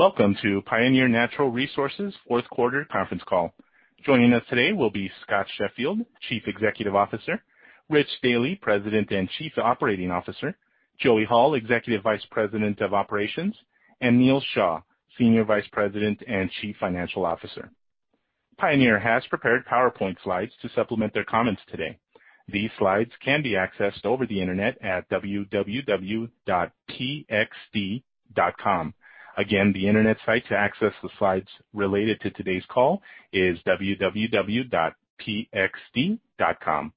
Welcome to Pioneer Natural Resources' fourth quarter conference call. Joining us today will be Scott Sheffield, Chief Executive Officer, Rich Dealy, President and Chief Operating Officer, Joey Hall, Executive Vice President of Operations, and Neal Shah, Senior Vice President and Chief Financial Officer. Pioneer has prepared PowerPoint slides to supplement their comments today. These slides can be accessed over the internet at www.pxd.com. Again, the internet site to access the slides related to today's call is www.pxd.com.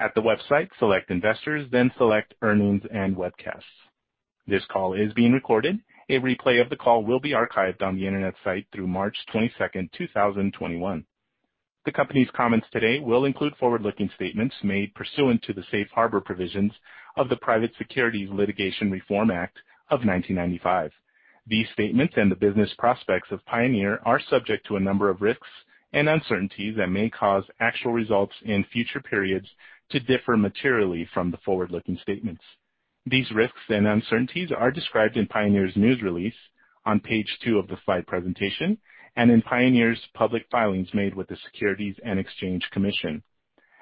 At the website, select Investors, then select Earnings and Webcasts. This call is being recorded. A replay of the call will be archived on the internet site through March 22nd, 2021. The company's comments today will include forward-looking statements made pursuant to the safe harbor provisions of the Private Securities Litigation Reform Act of 1995. These statements and the business prospects of Pioneer are subject to a number of risks and uncertainties that may cause actual results in future periods to differ materially from the forward-looking statements. These risks and uncertainties are described in Pioneer's news release, on page two of the slide presentation, and in Pioneer's public filings made with the Securities and Exchange Commission.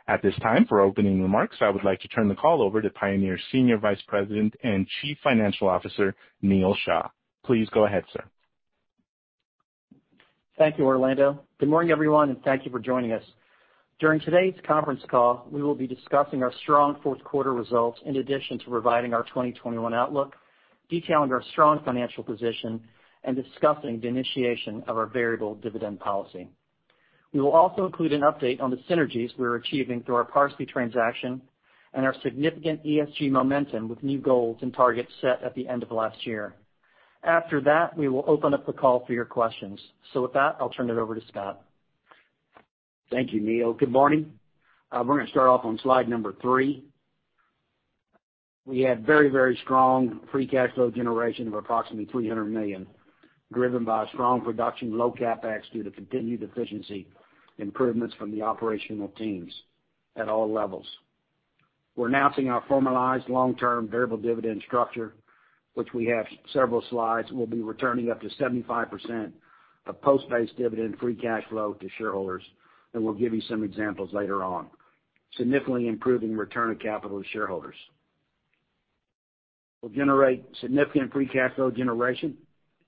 At this time, for opening remarks, I would like to turn the call over to Pioneer's Senior Vice President and Chief Financial Officer, Neal Shah. Please go ahead, sir. Thank you, Orlando. Good morning, everyone, and thank you for joining us. During today's conference call, we will be discussing our strong fourth quarter results, in addition to providing our 2021 outlook, detailing our strong financial position, and discussing the initiation of our variable dividend policy. We will also include an update on the synergies we're achieving through our Parsley transaction and our significant ESG momentum with new goals and targets set at the end of last year. After that, we will open up the call for your questions. With that, I'll turn it over to Scott. Thank you, Neal. Good morning. We're going to start off on slide number three. We had very strong free cash flow generation of approximately $300 million, driven by strong production, low CapEx due to continued efficiency improvements from the operational teams at all levels. We're announcing our formalized long-term variable dividend structure, which we have several slides. We'll be returning up to 75% of post-base dividend free cash flow to shareholders, and we'll give you some examples later on, significantly improving return of capital to shareholders. We'll generate significant free cash flow generation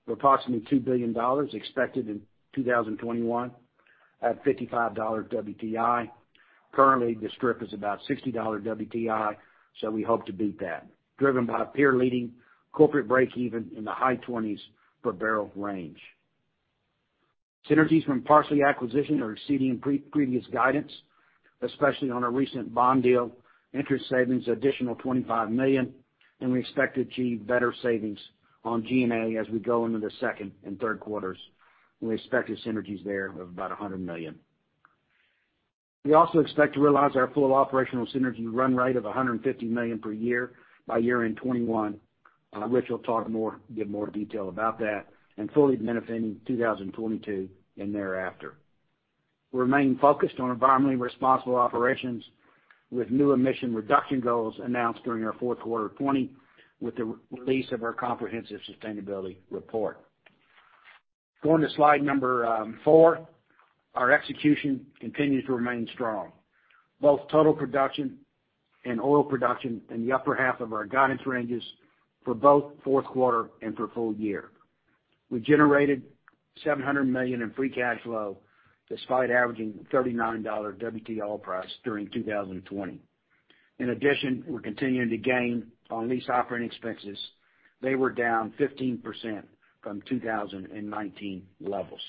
of approximately $2 billion expected in 2021 at $55 WTI. Currently, the strip is about $60 WTI, so we hope to beat that, driven by peer-leading corporate breakeven in the high 20s per barrel range. Synergies from Parsley acquisition are exceeding previous guidance, especially on a recent bond deal, interest savings, additional $25 million. We expect to achieve better savings on G&A as we go into the second and third quarters. We expect the synergies there of about $100 million. We also expect to realize our full operational synergy run rate of $150 million per year by year-end 2021. Rich will talk more, give more detail about that, and fully benefiting 2022 and thereafter. We remain focused on environmentally responsible operations with new emission reduction goals announced during our fourth quarter of 2020 with the release of our comprehensive sustainability report. Going to slide number four, our execution continues to remain strong. Both total production and oil production in the upper half of our guidance ranges for both fourth quarter and for full year. We generated $700 million in free cash flow despite averaging $39 WTI oil price during 2020. We're continuing to gain on lease operating expenses. They were down 15% from 2019 levels.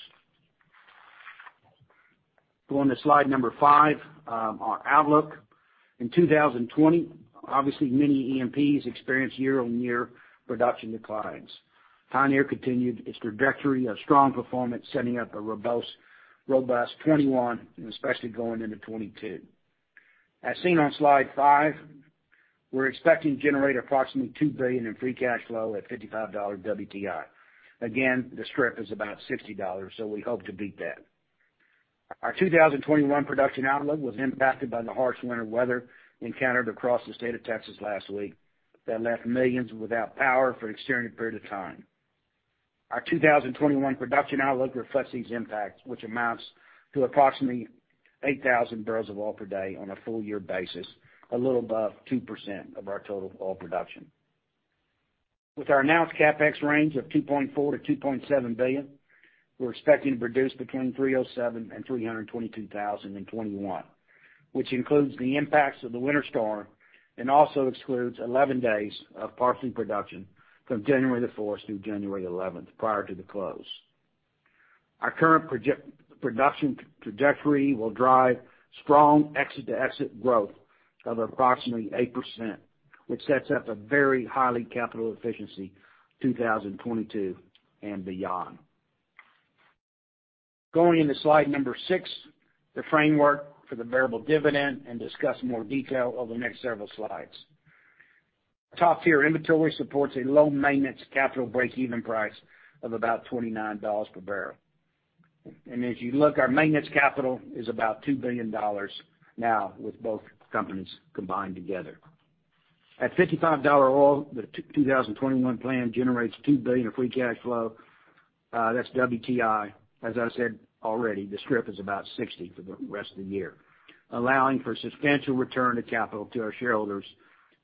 Going to slide number five, our outlook. In 2020, obviously many E&Ps experienced year-on-year production declines. Pioneer continued its trajectory of strong performance, setting up a robust 2021, and especially going into 2022. As seen on slide five, we're expecting to generate approximately $2 billion in free cash flow at $55 WTI. Again, the strip is about $60. We hope to beat that. Our 2021 production outlook was impacted by the harsh winter weather encountered across the state of Texas last week that left millions without power for an extended period of time. Our 2021 production outlook reflects these impacts, which amounts to approximately 8,000 bbl of oil per day on a full year basis, a little above 2% of our total oil production. With our announced CapEx range of $2.4 billion-$2.7 billion, we're expecting to produce between 307,000 and 322,000 in 2021, which includes the impacts of the winter storm and also excludes 11 days of Parsley production from January 4th through January 11th, prior to the close. Our current production trajectory will drive strong exit-to-exit growth of approximately 8%, which sets up a very highly capital efficiency 2022 and beyond. Going into slide number six, the framework for the variable dividend, and discuss more detail over the next several slides. Top-tier inventory supports a low maintenance capital breakeven price of about $29 per barrel. As you look, our maintenance capital is about $2 billion now with both companies combined together. At $55 oil, the 2021 plan generates $2 billion of free cash flow. That's WTI. As I said already, the strip is about $60 for the rest of the year, allowing for substantial return to capital to our shareholders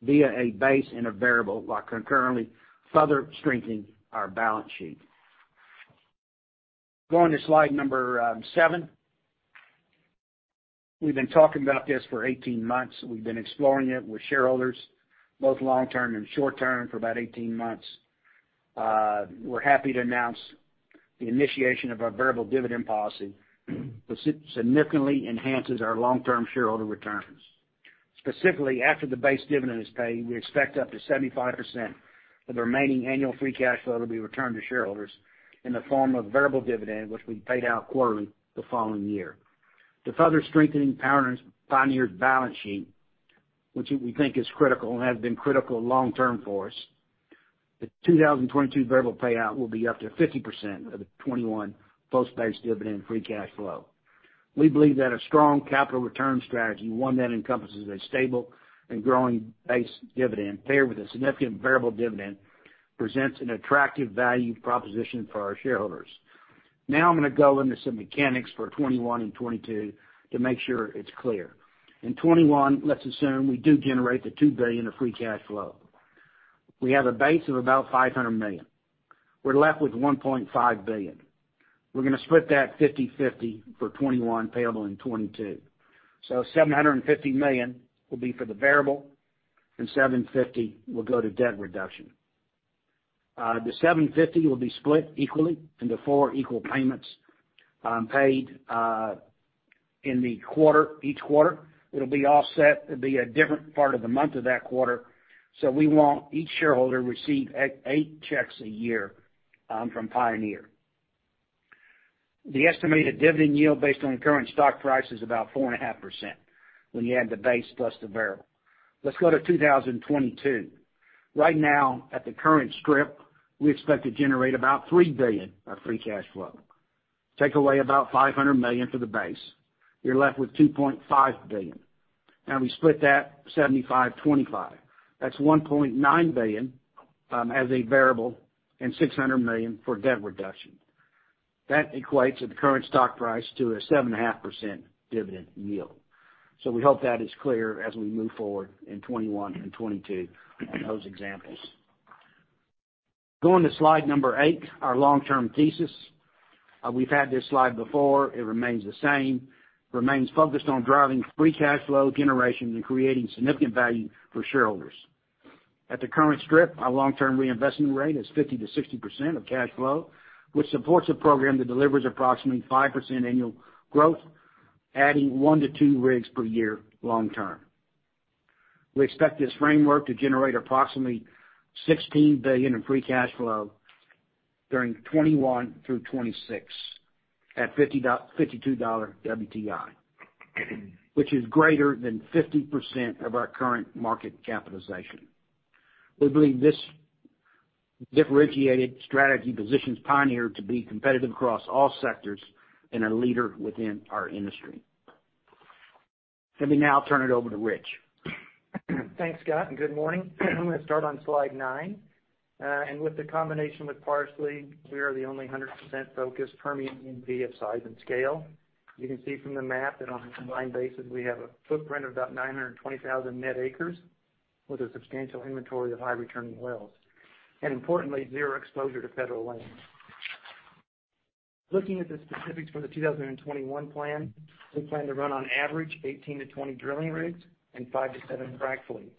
via a base and a variable, while concurrently further strengthening our balance sheet. Going to slide number seven. We've been talking about this for 18 months. We've been exploring it with shareholders, both long-term and short-term, for about 18 months. We're happy to announce the initiation of our variable dividend policy, which significantly enhances our long-term shareholder returns. Specifically, after the base dividend is paid, we expect up to 75% of the remaining annual free cash flow to be returned to shareholders in the form of variable dividend, which will be paid out quarterly the following year. To further strengthen Pioneer's balance sheet, which we think is critical and has been critical long-term for us, the 2022 variable payout will be up to 50% of the 2021 post-base dividend free cash flow. We believe that a strong capital return strategy, one that encompasses a stable and growing base dividend paired with a significant variable dividend, presents an attractive value proposition for our shareholders. I'm going to go into some mechanics for 2021 and 2022 to make sure it's clear. In 2021, let's assume we do generate the $2 billion of free cash flow. We have a base of about $500 million. We're left with $1.5 billion. We're going to split that 50/50 for 2021, payable in 2022. $750 million will be for the variable, and $750 million will go to debt reduction. The $750 million will be split equally into four equal payments, paid in each quarter. It'll be offset. It'll be a different part of the month of that quarter. We want each shareholder to receive eight checks a year from Pioneer. The estimated dividend yield based on current stock price is about 4.5% when you add the base plus the variable. Let's go to 2022. Right now, at the current strip, we expect to generate about $3 billion of free cash flow. Take away about $500 million for the base. You're left with $2.5 billion. We split that 75/25. That's $1.9 billion as a variable and $600 million for debt reduction. That equates, at the current stock price, to a 7.5% dividend yield. We hope that is clear as we move forward in 2021 and 2022 in those examples. Going to slide number eight, our long-term thesis. We've had this slide before. It remains the same. Remains focused on driving free cash flow generation and creating significant value for shareholders. At the current strip, our long-term reinvestment rate is 50%-60% of cash flow, which supports a program that delivers approximately 5% annual growth, adding one to two rigs per year long term. We expect this framework to generate approximately $16 billion in free cash flow during 2021 through 2026 at $52 WTI, which is greater than 50% of our current market capitalization. We believe this differentiated strategy positions Pioneer to be competitive across all sectors and a leader within our industry. Let me now turn it over to Rich. Thanks, Scott. Good morning. I'm going to start on slide nine. With the combination with Parsley, we are the only 100% focused Permian entity of size and scale. You can see from the map that on a combined basis, we have a footprint of about 920,000 net acres with a substantial inventory of high-returning wells. Importantly, zero exposure to federal land. Looking at the specifics for the 2021 plan, we plan to run on average 18-20 drilling rigs and five to seven frac fleets.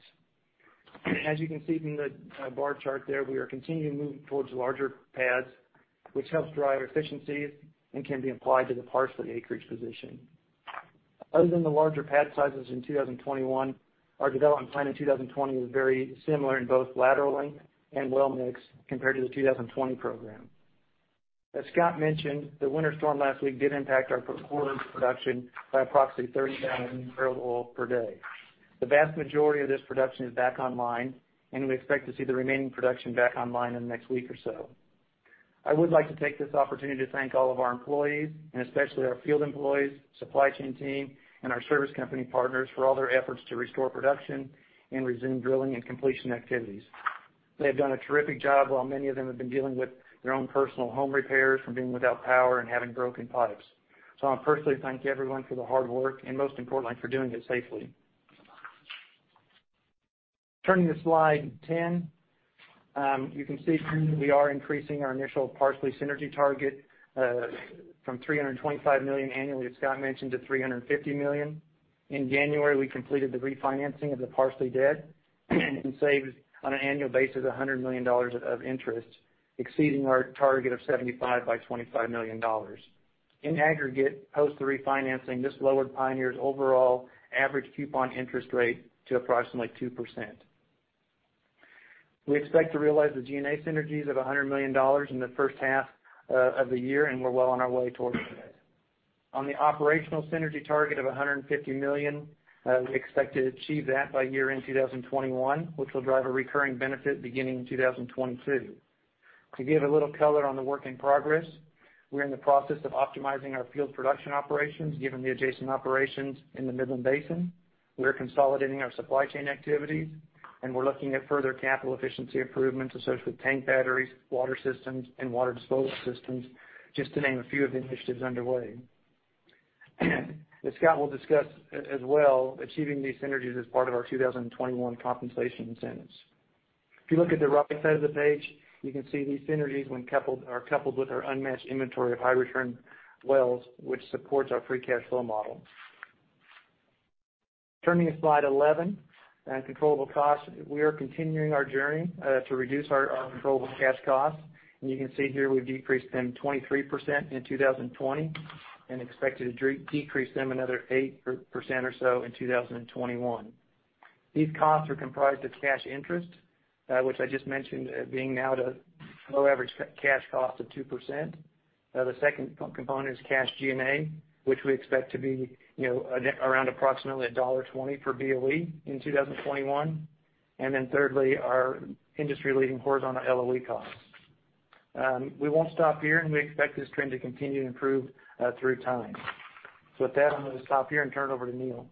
As you can see from the bar chart there, we are continuing moving towards larger pads, which helps drive efficiencies and can be applied to the Parsley acreage position. Other than the larger pad sizes in 2021, our development plan in 2020 is very similar in both laterally and well mix compared to the 2020 program. As Scott mentioned, the winter storm last week did impact our quarter's production by approximately 30,000 bbl of oil per day. The vast majority of this production is back online, and we expect to see the remaining production back online in the next week or so. I would like to take this opportunity to thank all of our employees, and especially our field employees, supply chain team, and our service company partners for all their efforts to restore production and resume drilling and completion activities. They have done a terrific job while many of them have been dealing with their own personal home repairs from being without power and having broken pipes. I want to personally thank everyone for the hard work, and most importantly, for doing it safely. Turning to slide 10. You can see we are increasing our initial Parsley synergy target from $325 million annually, as Scott mentioned, to $350 million. In January, we completed the refinancing of the Parsley debt and saved on an annual basis, $100 million of interest, exceeding our target of $75 million by $25 million. In aggregate, post the refinancing, this lowered Pioneer's overall average coupon interest rate to approximately 2%. We expect to realize the G&A synergies of $100 million in the first half of the year, and we're well on our way towards that. On the operational synergy target of $150 million, we expect to achieve that by year-end 2021, which will drive a recurring benefit beginning in 2022. To give a little color on the work in progress, we're in the process of optimizing our field production operations, given the adjacent operations in the Midland Basin. We are consolidating our supply chain activities. We're looking at further capital efficiency improvements associated with tank batteries, water systems, and water disposal systems, just to name a few of the initiatives underway. As Scott will discuss as well, achieving these synergies is part of our 2021 compensation incentives. If you look at the right side of the page, you can see these synergies when are coupled with our unmatched inventory of high return wells, which supports our free cash flow model. Turning to slide 11, controllable costs. We are continuing our journey to reduce our controllable cash costs, and you can see here we've decreased them 23% in 2020 and expected to decrease them another 8% or so in 2021. These costs are comprised of cash interest, which I just mentioned being now at a low average cash cost of 2%. The second component is cash G&A, which we expect to be around approximately $1.20 per BOE in 2021. Thirdly, our industry-leading horizontal LOE costs. We won't stop here, and we expect this trend to continue to improve through time. With that, I'm going to stop here and turn it over to Neal.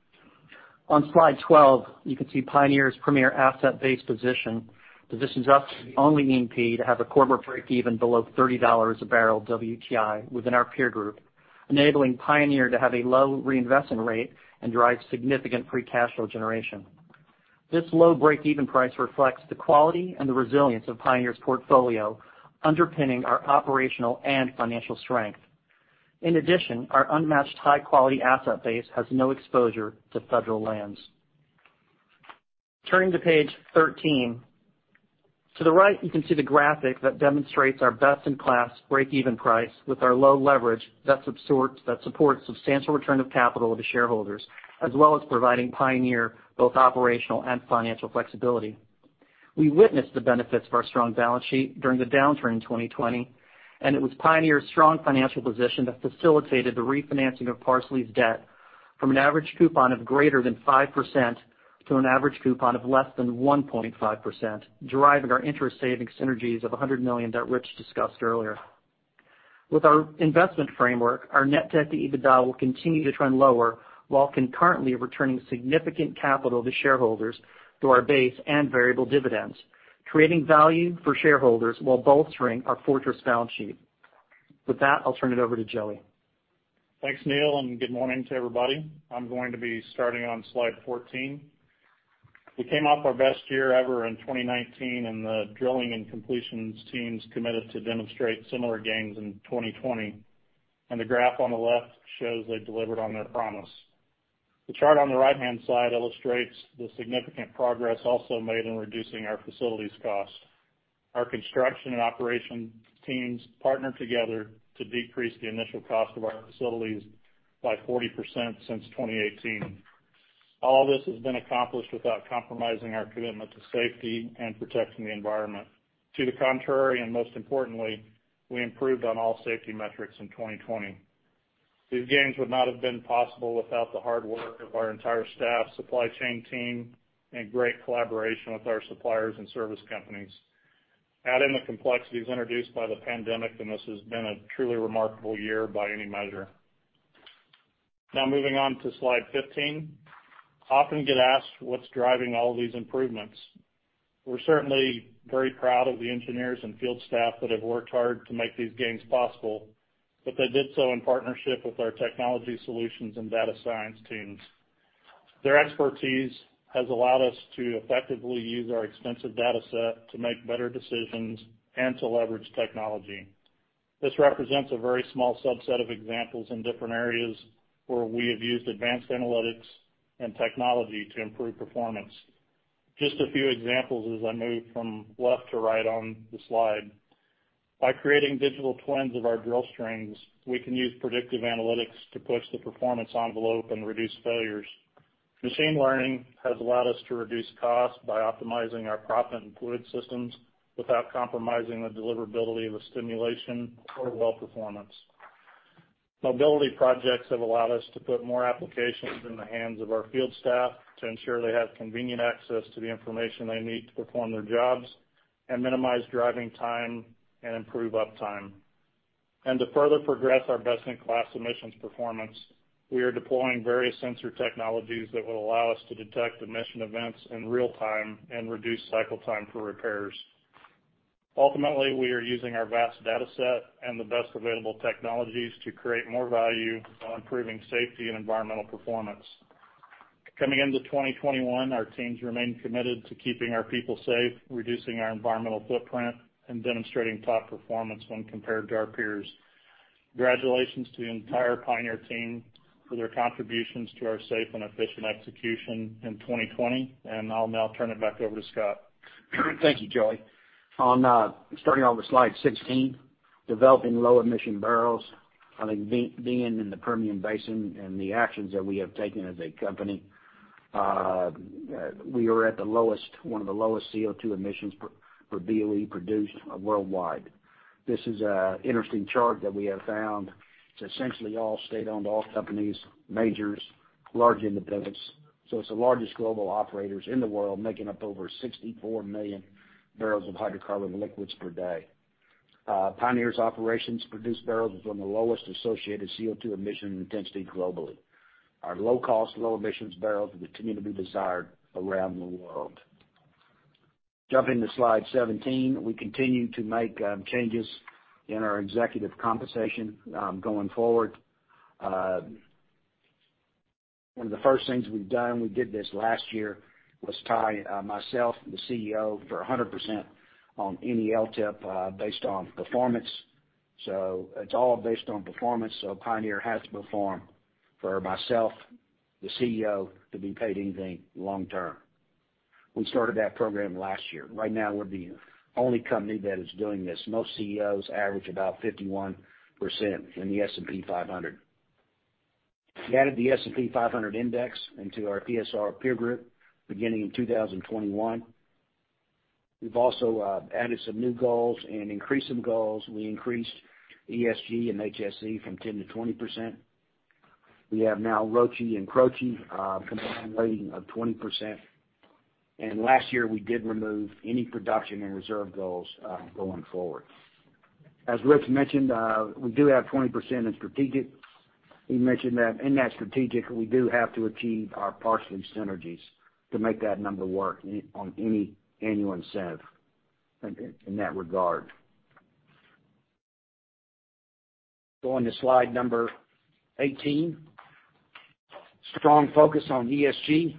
On slide 12, you can see Pioneer's premier asset-based position positions us to be the only E&P to have a corporate breakeven below $30/bbl WTI within our peer group, enabling Pioneer to have a low reinvestment rate and drive significant free cash flow generation. This low breakeven price reflects the quality and the resilience of Pioneer's portfolio, underpinning our operational and financial strength. In addition, our unmatched high-quality asset base has no exposure to federal lands. Turning to page 13. To the right, you can see the graphic that demonstrates our best-in-class breakeven price with our low leverage that supports substantial return of capital to shareholders, as well as providing Pioneer both operational and financial flexibility. We witnessed the benefits of our strong balance sheet during the downturn in 2020, and it was Pioneer's strong financial position that facilitated the refinancing of Parsley's debt from an average coupon of greater than 5% to an average coupon of less than 1.5%, driving our interest saving synergies of $100 million that Rich discussed earlier. With our investment framework, our net debt to EBITDA will continue to trend lower while concurrently returning significant capital to shareholders through our base and variable dividends, creating value for shareholders while bolstering our fortress balance sheet. With that, I'll turn it over to Joey. Thanks, Neal. Good morning to everybody. I'm going to be starting on slide 14. We came off our best year ever in 2019. The drilling and completions teams committed to demonstrate similar gains in 2020. The graph on the left shows they delivered on their promise. The chart on the right-hand side illustrates the significant progress also made in reducing our facilities cost. Our construction and operation teams partnered together to decrease the initial cost of our facilities by 40% since 2018. All this has been accomplished without compromising our commitment to safety and protecting the environment. To the contrary, most importantly, we improved on all safety metrics in 2020. These gains would not have been possible without the hard work of our entire staff, supply chain team, and great collaboration with our suppliers and service companies. Add in the complexities introduced by the pandemic, this has been a truly remarkable year by any measure. Moving on to slide 15. I often get asked what's driving all these improvements. We're certainly very proud of the engineers and field staff that have worked hard to make these gains possible, but they did so in partnership with our technology solutions and data science teams. Their expertise has allowed us to effectively use our extensive data set to make better decisions and to leverage technology. This represents a very small subset of examples in different areas where we have used advanced analytics and technology to improve performance. Just a few examples as I move from left to right on the slide. By creating digital twins of our drill strings, we can use predictive analytics to push the performance envelope and reduce failures. Machine learning has allowed us to reduce costs by optimizing our proppant and fluid systems without compromising the deliverability of the stimulation or well performance. Mobility projects have allowed us to put more applications in the hands of our field staff to ensure they have convenient access to the information they need to perform their jobs and minimize driving time and improve uptime. To further progress our best-in-class emissions performance, we are deploying various sensor technologies that will allow us to detect emission events in real time and reduce cycle time for repairs. Ultimately, we are using our vast data set and the best available technologies to create more value while improving safety and environmental performance. Coming into 2021, our teams remain committed to keeping our people safe, reducing our environmental footprint, and demonstrating top performance when compared to our peers. Congratulations to the entire Pioneer team for their contributions to our safe and efficient execution in 2020. I'll now turn it back over to Scott. Thank you, Joey. Starting on slide 16, developing low emission barrels. I think being in the Permian Basin and the actions that we have taken as a company, we are at one of the lowest CO2 emissions per BOE produced worldwide. This is an interesting chart that we have found. It's essentially all state-owned oil companies, majors, large independents. It's the largest global operators in the world, making up over 64 MMbpd of hydrocarbon liquids. Pioneer's operations produce barrels with one of the lowest associated CO2 emission intensity globally. Our low-cost, low-emissions barrels continue to be desired around the world. Jumping to slide 17, we continue to make changes in our executive compensation going forward. One of the first things we've done, we did this last year, was tie myself, the CEO, for 100% on any LTIP based on performance. It's all based on performance. Pioneer has to perform for myself, the CEO, to be paid anything long term. We started that program last year. Right now, we're the only company that is doing this. Most CEOs average about 51% in the S&P 500. We added the S&P 500 index into our PSU peer group beginning in 2021. We've also added some new goals and increased some goals. We increased ESG and HSE from 10% to 20%. We have now ROCE and CROCE combined weighting of 20%. Last year, we did remove any production and reserve goals going forward. As Rich mentioned, we do have 20% in strategic. He mentioned that in that strategic, we do have to achieve our Parsley synergies to make that number work on any annual incentive in that regard. Going to slide number 18. Strong focus on ESG.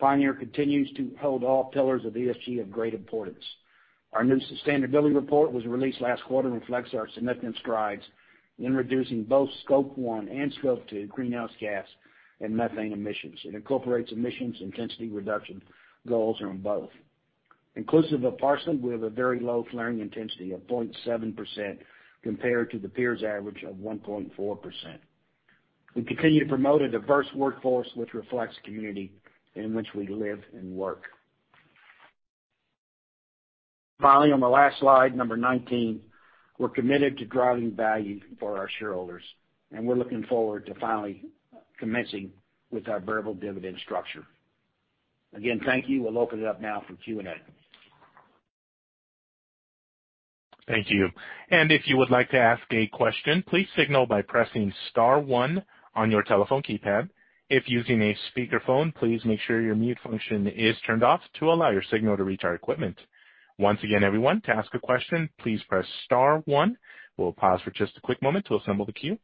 Pioneer continues to hold all pillars of ESG of great importance. Our new sustainability report was released last quarter and reflects our significant strides in reducing both Scope 1 and Scope 2 greenhouse gas and methane emissions. It incorporates emissions intensity reduction goals on both. Inclusive of Parsley, we have a very low flaring intensity of 0.7% compared to the peers average of 1.4%. We continue to promote a diverse workforce which reflects the community in which we live and work. Finally, on the last slide, number 19, we're committed to driving value for our shareholders, and we're looking forward to finally commencing with our variable dividend structure. Again, thank you. We'll open it up now for Q&A. Thank you. If you would like to ask a question, please signal by pressing star one on your telephone keypad. If using a speakerphone, please make sure your mute function is turned off to allow your signal to reach our equipment. Once again, everyone, to ask a question, please press star one. We'll pause for just a quick moment to assemble the queue.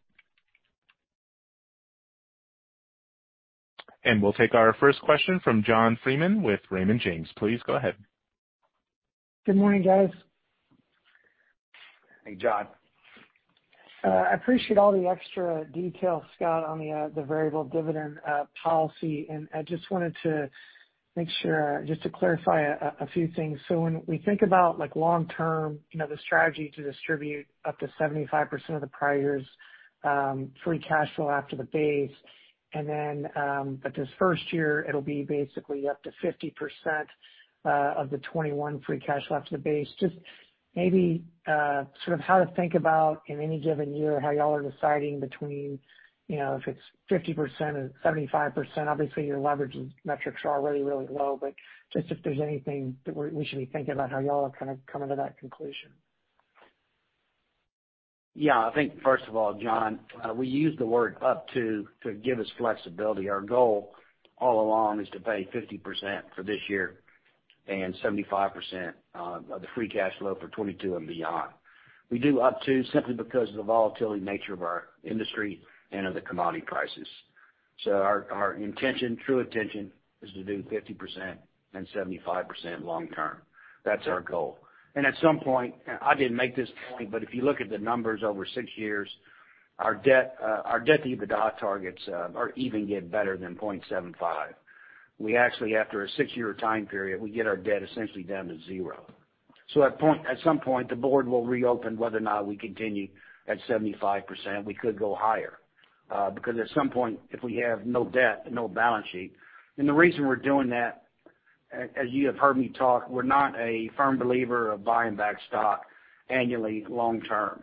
We'll take our first question from John Freeman with Raymond James. Please go ahead. Good morning, guys. Hey, John. I appreciate all the extra detail, Scott, on the variable dividend policy. I just wanted to make sure, just to clarify a few things. When we think about long term, the strategy to distribute up to 75% of the prior year's free cash flow after the base, and then this first year, it'll be basically up to 50% of the 2021 free cash flow after the base. Maybe how to think about, in any given year, how y'all are deciding between if it's 50% or 75%. Obviously, your leverage and metrics are already really low, if there's anything that we should be thinking about how y'all have come to that conclusion. Yeah. I think, first of all, John, we use the word up to give us flexibility. Our goal all along is to pay 50% for this year and 75% of the free cash flow for 2022 and beyond. We do up to simply because of the volatility nature of our industry and of the commodity prices. Our true intention is to do 50% and 75% long term. That's our goal. At some point, I didn't make this point, but if you look at the numbers over six years, our debt to EBITDA targets are even yet better than 0.75. We actually, after a six-year time period, we get our debt essentially down to zero. At some point, the board will reopen whether or not we continue at 75%. We could go higher. At some point, if we have no debt and no balance sheet, and the reason we're doing that, as you have heard me talk, we're not a firm believer of buying back stock annually long term.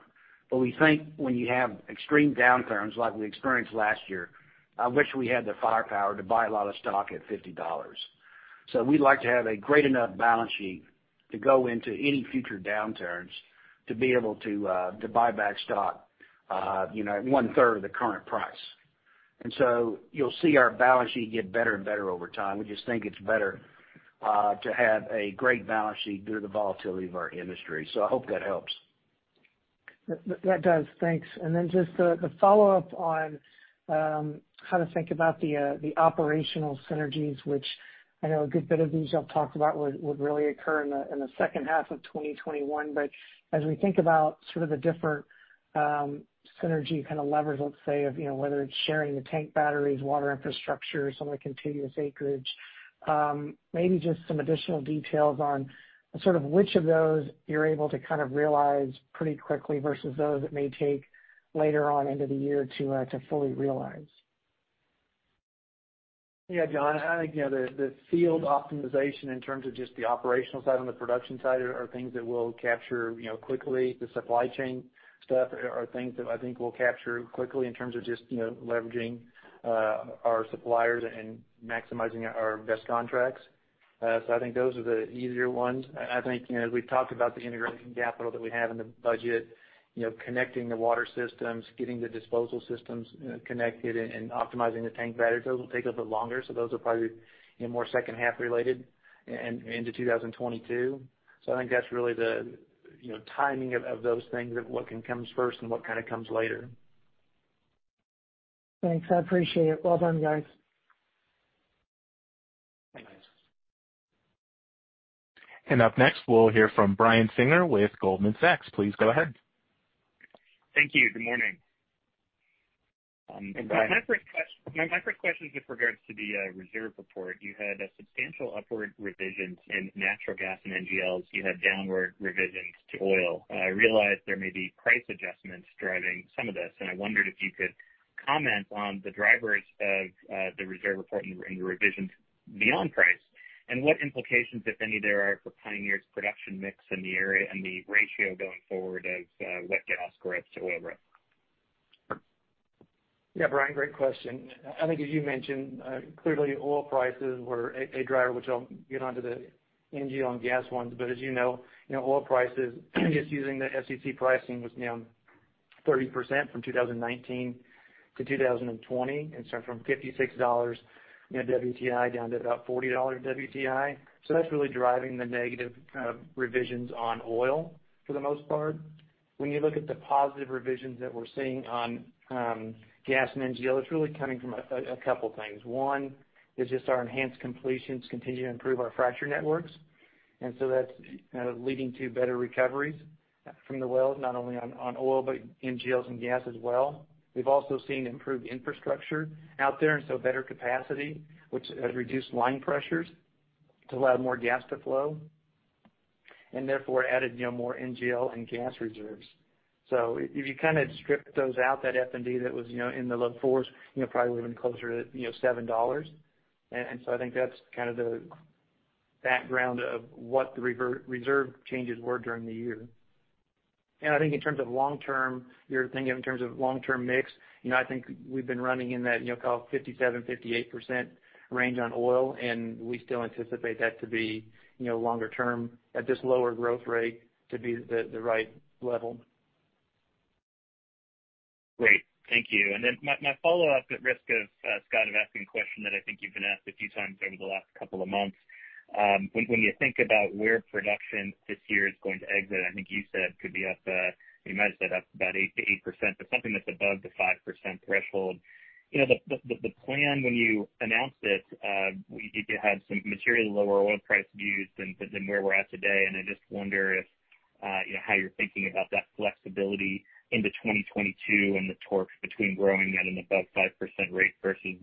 We think when you have extreme downturns like we experienced last year, I wish we had the firepower to buy a lot of stock at $50. We'd like to have a great enough balance sheet to go into any future downturns to be able to buy back stock at one-third of the current price. You'll see our balance sheet get better and better over time. We just think it's better to have a great balance sheet due to the volatility of our industry. I hope that helps. That does. Thanks. Just the follow-up on how to think about the operational synergies, which I know a good bit of these y'all talked about would really occur in the second half of 2021. As we think about the different synergy levers, let's say, of whether it's sharing the tank batteries, water infrastructure, some of the contiguous acreage, maybe just some additional details on which of those you're able to realize pretty quickly versus those that may take later on into the year to fully realize. Yeah, John, I think the field optimization in terms of just the operational side on the production side are things that we'll capture quickly. The supply chain stuff are things that I think we'll capture quickly in terms of just leveraging our suppliers and maximizing our best contracts. I think those are the easier ones. I think as we've talked about the integration capital that we have in the budget, connecting the water systems, getting the disposal systems connected, and optimizing the tank batteries, those will take a bit longer. Those are probably more second half related into 2022. I think that's really the timing of those things, of what comes first and what comes later. Thanks. I appreciate it. Well done, guys. Thanks. Up next, we'll hear from Brian Singer with Goldman Sachs. Please go ahead. Thank you. Good morning. Hey, Brian. My first question is with regards to the reserve report. You had substantial upward revisions in natural gas and NGLs. You had downward revisions to oil. I realize there may be price adjustments driving some of this, and I wondered if you could comment on the drivers of the reserve report and the revisions beyond price, and what implications, if any, there are for Pioneer's production mix in the area and the ratio going forward of wet gas versus oil. Yeah. Brian, great question. I think as you mentioned, clearly oil prices were a driver, which I'll get onto the NGL and gas ones. As you know, oil prices, just using the SEC pricing, was down 30% from 2019 to 2020. From $56 WTI down to about $40 WTI. That's really driving the negative revisions on oil for the most part. When you look at the positive revisions that we're seeing on gas and NGL, it's really coming from a couple things. One is just our enhanced completions continue to improve our fracture networks, that's leading to better recoveries from the wells, not only on oil, but NGLs and gas as well. We've also seen improved infrastructure out there, better capacity, which has reduced line pressures to allow more gas to flow, and therefore added more NGL and gas reserves. If you strip those out, that F&D that was in the low fours, probably living closer to $7. I think that's the background of what the reserve changes were during the year. I think in terms of long term, you're thinking in terms of long term mix. I think we've been running in that, call it 57%, 58% range on oil, and we still anticipate that to be longer term at this lower growth rate to be the right level. Great. Thank you. Then my follow-up, at risk of, Scott, of asking a question that I think you've been asked a few times over the last couple of months. When you think about where production this year is going to exit, I think you said could be up, you might have said up to about 8% but something that's above the 5% threshold. The plan when you announced it, you had some materially lower oil price views than where we're at today, I just wonder how you're thinking about that flexibility into 2022 and the torque between growing at an above 5% rate versus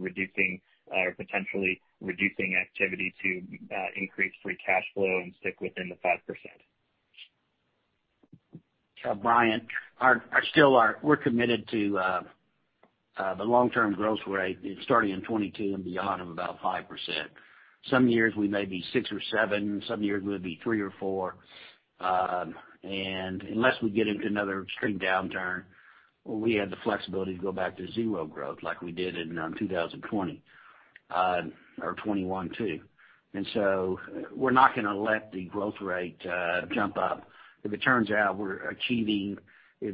potentially reducing activity to increase free cash flow and stick within the 5%. Brian, we're committed to the long-term growth rate starting in 2022 and beyond of about 5%. Some years we may be 6% or 7%, some years we'll be 3% or 4%. Unless we get into another extreme downturn, we have the flexibility to go back to zero growth like we did in 2020, or 2021 too. We're not going to let the growth rate jump up. If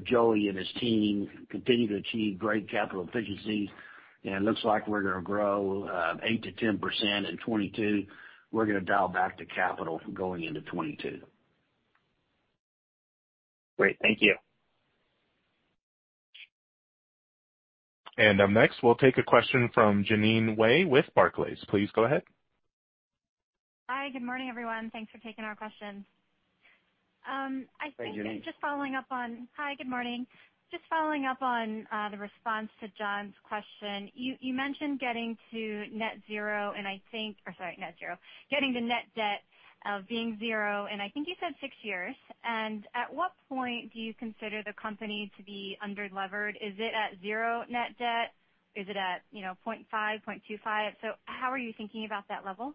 Joey and his team continue to achieve great capital efficiencies and it looks like we're going to grow 8%-10% in 2022, we're going to dial back the capital going into 2022. Great. Thank you. Up next, we'll take a question from Jeanine Wai with Barclays. Please go ahead. Hi, good morning, everyone. Thanks for taking our questions. Hey, Jeanine. Hi, good morning. Just following up on the response to John's question. You mentioned getting to net zero, or sorry, net zero. Getting the net debt of being zero, and I think you said six years. At what point do you consider the company to be under-levered? Is it at zero net debt? Is it at 0.5, 0.25? How are you thinking about that level?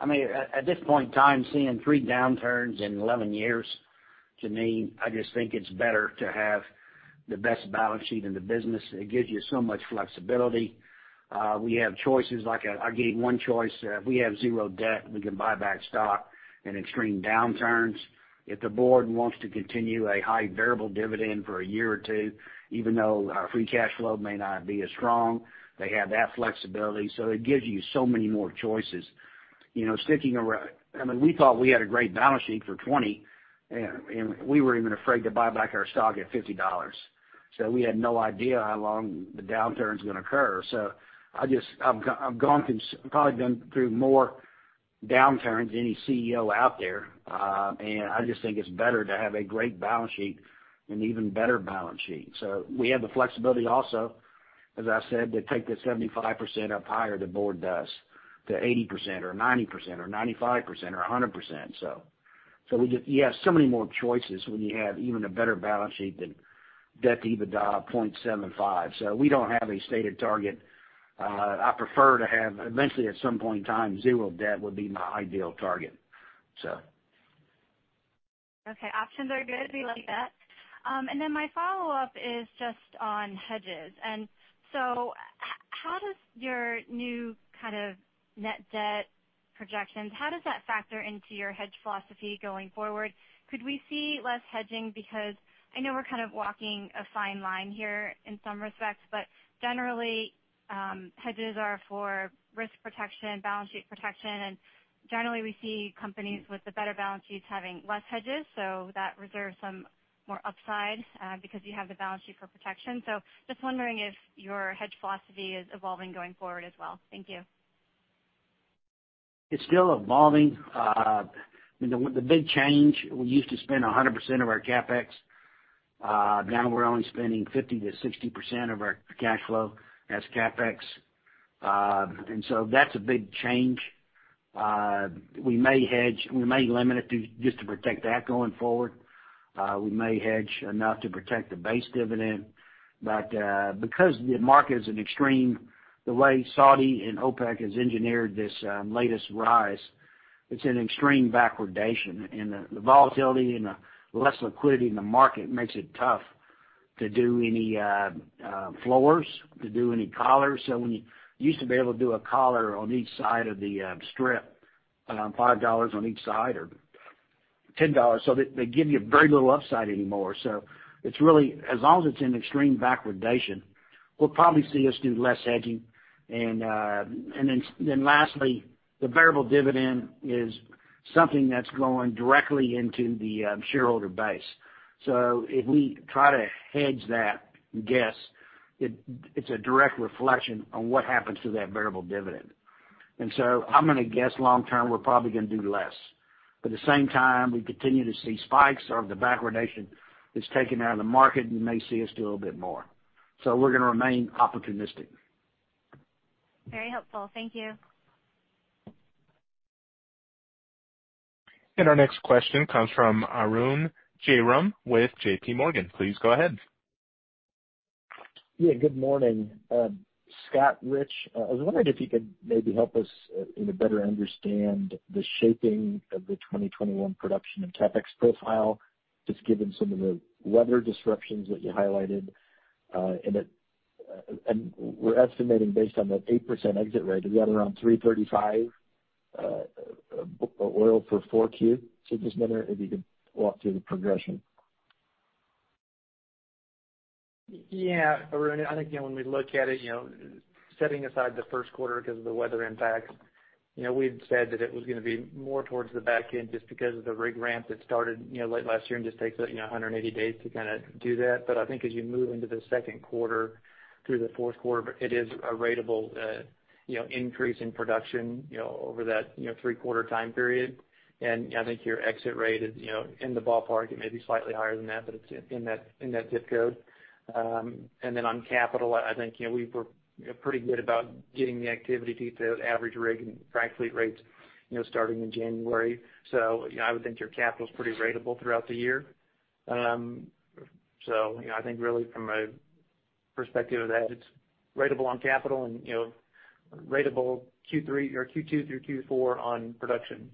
I mean, at this point in time, seeing three downturns in 11 years, Jeanine, I just think it's better to have the best balance sheet in the business. It gives you so much flexibility. We have choices. Like I gave one choice. If we have zero debt, we can buy back stock in extreme downturns. If the board wants to continue a high variable dividend for a year or two, even though our free cash flow may not be as strong, they have that flexibility. It gives you so many more choices. I mean, we thought we had a great balance sheet for 2020, we were even afraid to buy back our stock at $50. We had no idea how long the downturn's going to occur. I've probably been through more downturns than any CEO out there. I just think it's better to have a great balance sheet, an even better balance sheet. We have the flexibility also, as I said, to take the 75% up higher, the board does, to 80% or 90% or 95% or 100%. You have so many more choices when you have even a better balance sheet than debt to EBITDA of 0.75. We don't have a stated target. I prefer to have, eventually at some point in time, zero debt would be my ideal target. Okay. Options are good. We like that. My follow-up is just on hedges. How does your new net debt projections, how does that factor into your hedge philosophy going forward? Could we see less hedging? Because I know we're kind of walking a fine line here in some respects, but generally, hedges are for risk protection, balance sheet protection, and generally we see companies with the better balance sheets having less hedges, so that reserves some more upside, because you have the balance sheet for protection. Just wondering if your hedge philosophy is evolving going forward as well. Thank you. It's still evolving. The big change, we used to spend 100% of our CapEx. Now we're only spending 50%-60% of our cash flow as CapEx. That's a big change. We may hedge. We may limit it to just to protect that going forward. We may hedge enough to protect the base dividend. Because the market is an extreme, the way Saudi and OPEC has engineered this latest rise, it's an extreme backwardation, and the volatility and the less liquidity in the market makes it tough to do any floors, to do any collars. When you used to be able to do a collar on each side of the strip, $5 on each side or $10. They give you very little upside anymore. As long as it's in extreme backwardation, we'll probably see us do less hedging. Lastly, the variable dividend is something that's going directly into the shareholder base. If we try to hedge that guess, it's a direct reflection on what happens to that variable dividend. I'm going to guess long term, we're probably going to do less. At the same time, we continue to see spikes out of the backwardation that's taken out of the market, and you may see us do a little bit more. We're going to remain opportunistic. Very helpful. Thank you. Our next question comes from Arun Jayaram with JPMorgan. Please go ahead. Yeah. Good morning. Scott, Rich. I was wondering if you could maybe help us better understand the shaping of the 2021 production and CapEx profile, just given some of the weather disruptions that you highlighted. We're estimating based on that 8% exit rate, is that around 335 bbl oil for 4Q? Just wondering if you could walk through the progression. Yeah. Arun, I think when we look at it, setting aside the first quarter because of the weather impact, we had said that it was going to be more towards the back end just because of the rig ramp that started late last year and just takes 180 days to do that. I think as you move into the second quarter through the fourth quarter, it is a ratable increase in production over that three-quarter time period. I think your exit rate is in the ballpark. It may be slightly higher than that, but it's in that ZIP code. On capital, I think we were pretty good about getting the activity to average rig and frac fleet rates starting in January. I would think your capital's pretty ratable throughout the year. I think really from a perspective of that, it's ratable on capital and ratable Q2 through Q4 on production.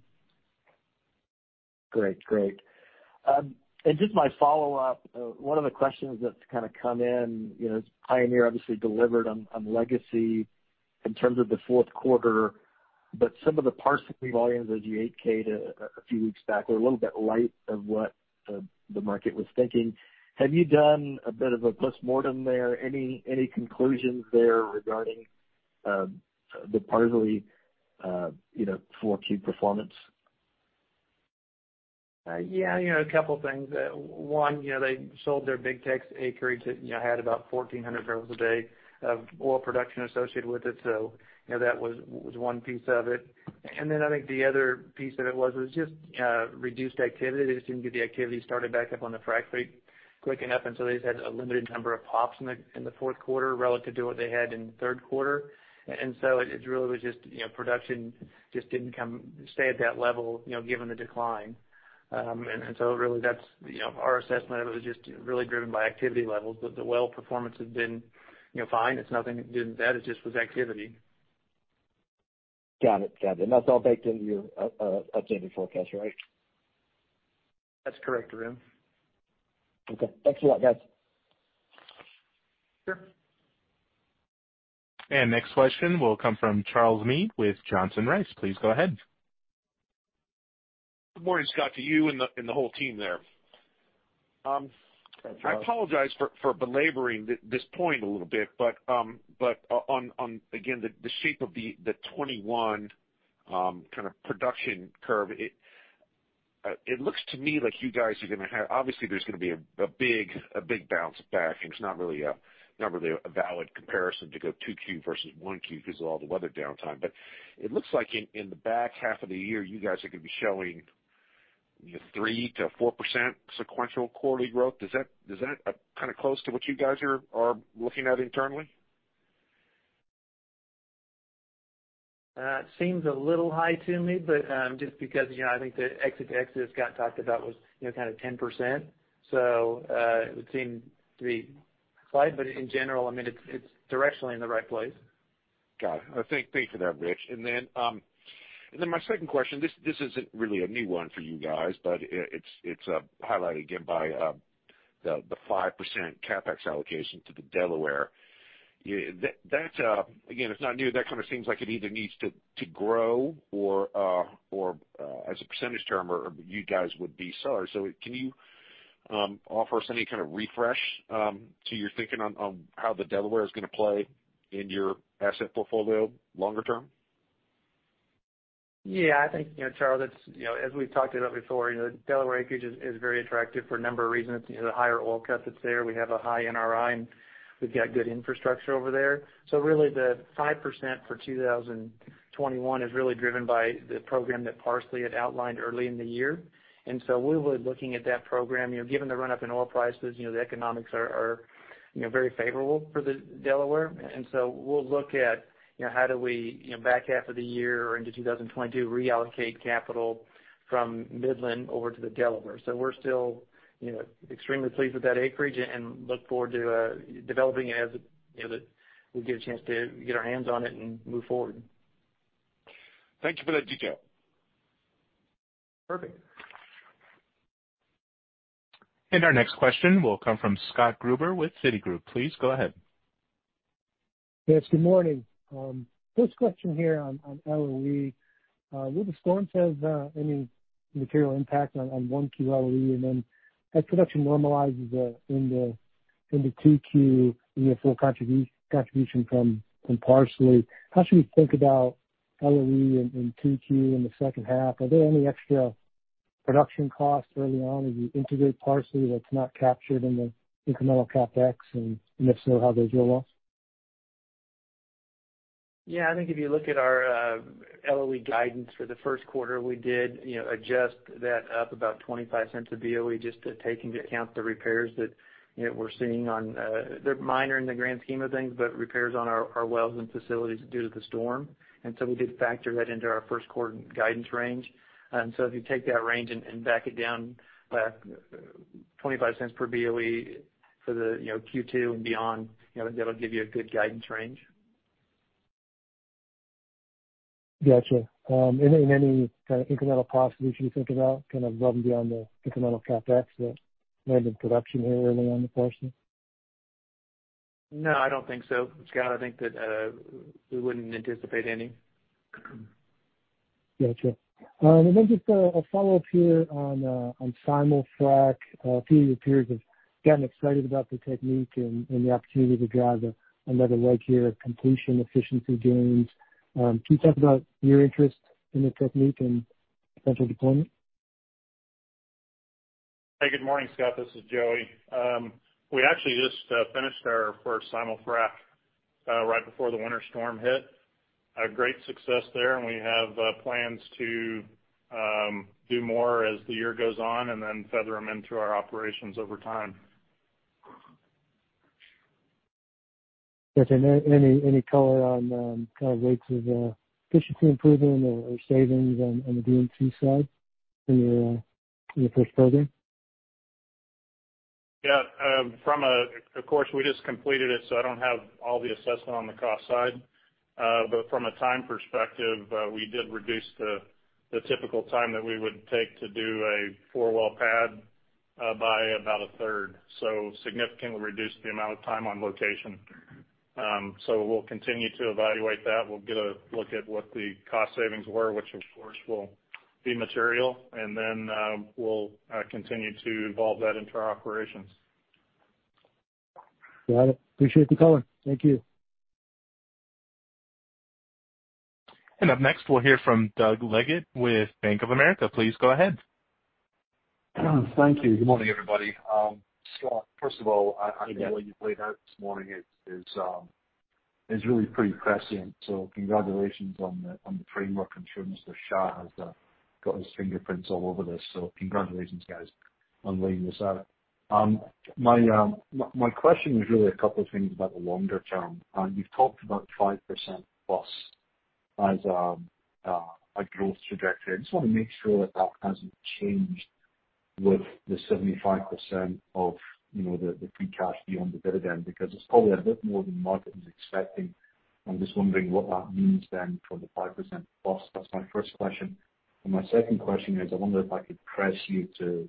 Great. Just my follow-up, one of the questions that's come in, as Pioneer obviously delivered on legacy in terms of the fourth quarter, but some of the Parsley volumes as you 8K'd a few weeks back were a little bit light of what the market was thinking. Have you done a bit of a postmortem there? Any conclusions there regarding the Parsley 4Q performance? A couple of things. One, they sold their Big Tex acreage that had about 1,400 bbl/day of oil production associated with it. That was one piece of it. I think the other piece of it was just reduced activity. They just didn't get the activity started back up on the frac fleet quick enough, they just had a limited number of POPs in the fourth quarter relative to what they had in the third quarter. It really was just production just didn't stay at that level, given the decline. Really that's our assessment of it, was just really driven by activity levels. The well performance has been fine. It's nothing that it just was activity. Got it. That's all baked into your updated forecast, right? That's correct, Arun. Okay. Thanks a lot, guys. Sure. Next question will come from Charles Meade with Johnson Rice. Please go ahead. Good morning, Scott, to you and the whole team there. Thanks, Charles. I apologize for belaboring this point a little bit. On, again, the shape of the 2021 production curve, it looks to me like you guys are going to have. Obviously, there's going to be a big bounce back, and it's not really a valid comparison to go 2Q versus 1Q because of all the weather downtime. It looks like in the back half of the year, you guys are going to be showing 3%-4% sequential quarterly growth. Is that close to what you guys are looking at internally? It seems a little high to me, but just because I think the exit to exit Scott talked about was 10%. It would seem to be slight, but in general, it's directionally in the right place. Got it. Thank you for that, Rich. My second question, this isn't really a new one for you guys, but it's highlighted again by the 5% CapEx allocation to the Delaware. Again, it's not new. That kind of seems like it either needs to grow or, as a percentage term, or you guys would be sellers. Can you offer us any kind of refresh to your thinking on how the Delaware is going to play in your asset portfolio longer term? Yeah. I think, Charles, as we've talked about before, the Delaware acreage is very attractive for a number of reasons. The higher oil cut that's there. We have a high NRI, and we've got good infrastructure over there. Really, the 5% for 2021 is really driven by the program that Parsley had outlined early in the year. We're really looking at that program. Given the run-up in oil prices, the economics are very favorable for the Delaware. We'll look at how do we, back half of the year or into 2022, reallocate capital from Midland over to the Delaware. We're still extremely pleased with that acreage and look forward to developing it as we get a chance to get our hands on it and move forward. Thank you for that detail. Perfect. Our next question will come from Scott Gruber with Citigroup. Please go ahead. Yes, good morning. First question here on LOE. Will the storm have any material impact on 1Q LOE? As production normalizes into 2Q and you have full contribution from Parsley, how should we think about LOE in 2Q, in the second half? Are there any extra production costs early on as you integrate Parsley that's not captured in the incremental CapEx? If so, how does it roll off? I think if you look at our LOE guidance for the first quarter, we did adjust that up about $0.25 a BOE just to take into account the repairs that we're seeing. They're minor in the grand scheme of things, but repairs on our wells and facilities due to the storm. We did factor that into our first quarter guidance range. If you take that range and back it down by $0.25 per BOE for the Q2 and beyond, that'll give you a good guidance range. Got you. Then any kind of incremental costs we should think about, kind of above and beyond the incremental CapEx that landed production here early on in the quarter? No, I don't think so, Scott. I think that we wouldn't anticipate any. Got you. Just a follow-up here on simul-frac. A few of your peers have gotten excited about the technique and the opportunity to drive another leg here of completion efficiency gains. Can you talk about your interest in the technique and potential deployment? Hey, good morning, Scott. This is Joey. We actually just finished our first simul-frac right before the winter storm hit. A great success there, and we have plans to do more as the year goes on and then feather them into our operations over time. Okay. Any color on kind of rates of efficiency improvement or savings on the D&C side in your first program? Yeah. Of course, we just completed it, so I don't have all the assessment on the cost side. From a time perspective, we did reduce the typical time that we would take to do a four-well pad by about a third, so significantly reduced the amount of time on location. We'll continue to evaluate that. We'll get a look at what the cost savings were, which of course will be material, and then we'll continue to evolve that into our operations. Got it. Appreciate the color. Thank you. Up next, we'll hear from Doug Leggate with Bank of America. Please go ahead. Thank you. Good morning, everybody. Scott, first of all, I think what you've laid out this morning is really pretty prescient. Congratulations on the framework. I'm sure Mr. Shah has got his fingerprints all over this. Congratulations, guys, on laying this out. My question was really a couple of things about the longer term. You've talked about 5%+ as a growth trajectory. I just want to make sure that that hasn't changed with the 75% of the free cash beyond the dividend, because it's probably a bit more than the market was expecting. I'm just wondering what that means for the 5%+. That's my first question. My second question is, I wonder if I could press you to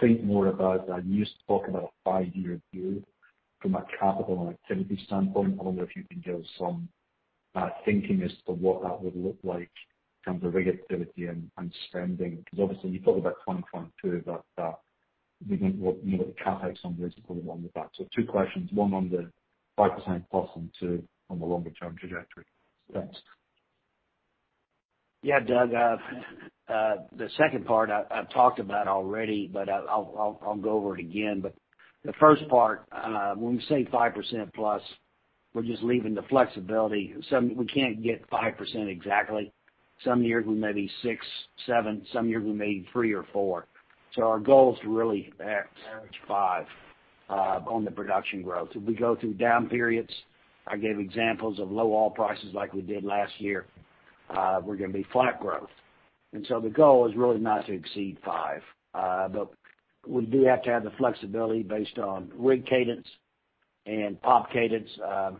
think more about, you spoke about a five-year view from a capital and activity standpoint. I wonder if you can give some thinking as to what that would look like in terms of rigidity and spending, because obviously you've talked about 2025 too, but we think what the CapEx number is probably along with that. Two questions, one on the 5%+, and two on the longer-term trajectory. Thanks. Yeah, Doug. The second part I've talked about already, but I'll go over it again. The first part, when we say 5%+, we're just leaving the flexibility. We can't get 5% exactly. Some years we may be 6%, 7% some years we may be 3%, 4%. Our goal is to really average five on the production growth. If we go through down periods, I gave examples of low oil prices like we did last year, we're going to be flat growth. The goal is really not to exceed 5%. We do have to have the flexibility based on rig cadence and POPs cadence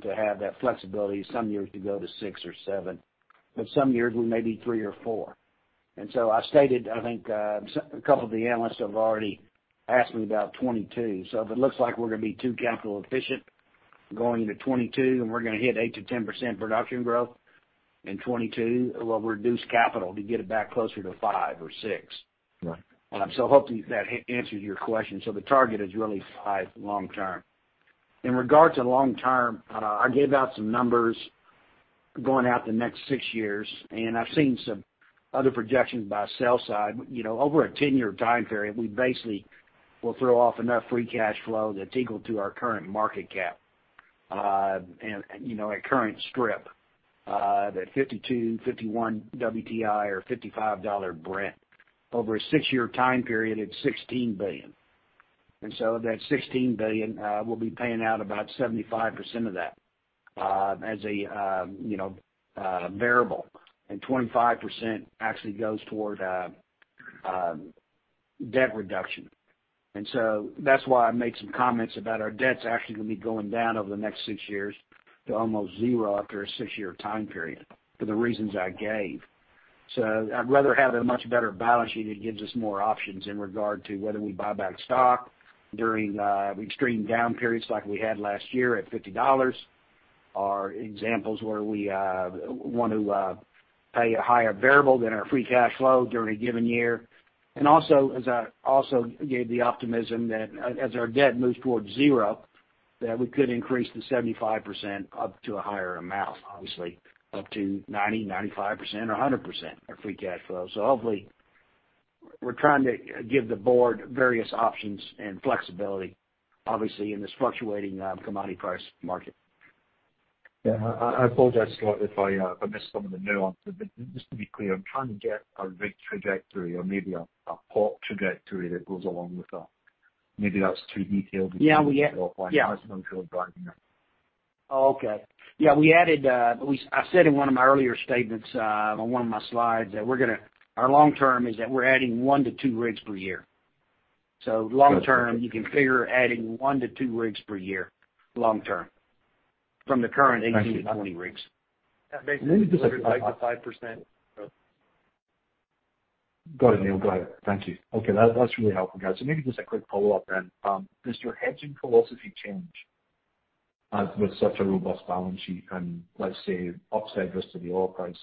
to have that flexibility some years to go to 6% or 7%. Some years we may be 3% or 4%. I stated, I think a couple of the analysts have already asked me about 2022. If it looks like we're going to be too capital efficient going into 2022, and we're going to hit 8%-10% production growth in 2022, we'll reduce capital to get it back closer to 5% or 6%. Right. Hopefully that answers your question. The target is really five long term. In regard to long term, I gave out some numbers going out the next six years, and I've seen some other projections by sell-side. Over a 10-year time period, we basically will throw off enough free cash flow that's equal to our current market cap, at current strip, that $52, $51 WTI or $55 Brent. Over a six-year time period, it's $16 billion. That $16 billion, we'll be paying out about 75% of that as a variable, and 25% actually goes toward debt reduction. That's why I made some comments about our debt's actually going to be going down over the next six years to almost zero after a six-year time period for the reasons I gave. I'd rather have a much better balance sheet that gives us more options in regard to whether we buy back stock during extreme down periods like we had last year at $50, or examples where we want to pay a higher variable than our free cash flow during a given year. Also, as I also gave the optimism that as our debt moves towards zero, that we could increase the 75% up to a higher amount, obviously, up to 90%, 95% or 100% of free cash flow. Hopefully, we're trying to give the board various options and flexibility, obviously, in this fluctuating commodity price market. Yeah. I apologize, Scott, if I missed some of the nuance, but just to be clear, I'm trying to get a rig trajectory or maybe a POP trajectory that goes along with that. Maybe that's too detailed. Yeah. I wasn't sure if. Okay. Yeah, I said in one of my earlier statements on one of my slides that our long term is that we're adding one to two rigs per year. Long term, you can figure adding one to two rigs per year long term from the current 18-20 rigs. Got it, Neal. Got it. Thank you. Okay. That's really helpful, guys. Maybe just a quick follow-up. Does your hedging philosophy change as with such a robust balance sheet and let's say upside risk to the oil price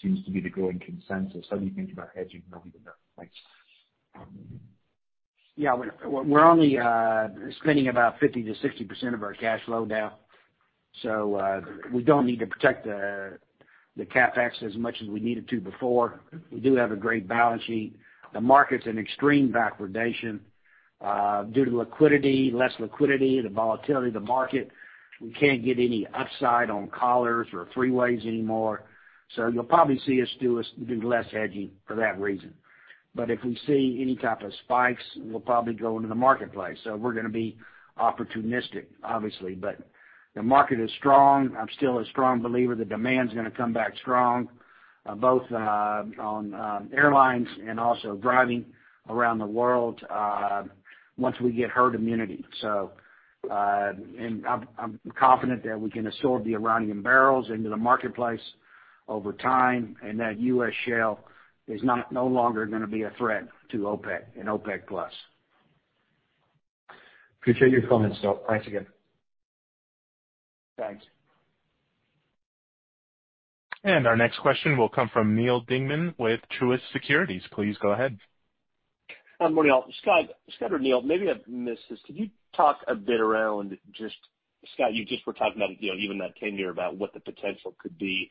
seems to be the growing consensus? How do you think about hedging now even though? Thanks. Yeah. We're only spending about 50%-60% of our cash flow now. We don't need to protect the CapEx as much as we needed to before. We do have a great balance sheet. The market's in extreme backwardation due to liquidity, less liquidity, the volatility of the market. We can't get any upside on collars or three-ways anymore. You'll probably see us do less hedging for that reason. If we see any type of spikes, we'll probably go into the marketplace. We're going to be opportunistic, obviously. The market is strong. I'm still a strong believer that demand's going to come back strong, both on airlines and also driving around the world once we get herd immunity. I'm confident that we can absorb the Iranian barrels into the marketplace over time, and that U.S. shale is no longer going to be a threat to OPEC and OPEC+. Appreciate your comments, Scott. Thanks again. Thanks. Our next question will come from Neal Dingmann with Truist Securities. Please go ahead. Morning, all. Scott or Neal, maybe I've missed this. Could you talk a bit around just Scott, you just were talking about even that 10-year, about what the potential could be